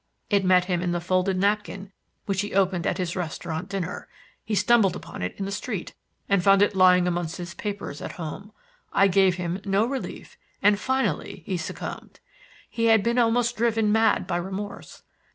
It met him in the folded napkin which he opened at his restaurant dinner. He stumbled upon it in the street, and found it lying amongst his papers at home. I gave him no relief and finally he succumbed. He had been almost driven mad by remorse.